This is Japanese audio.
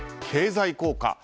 経済効果